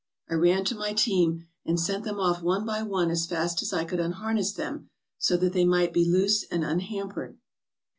I ran to my team, and sent them off one by one as fast as I could unharness them, so that they might be loose and unhampered.